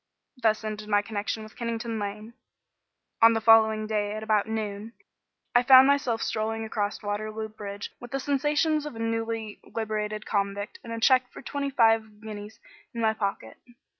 Thus ended my connection with Kennington Lane. On the following day at about noon, I found myself strolling across Waterloo Bridge with the sensations of a newly liberated convict and a cheque for twenty five guineas in my pocket.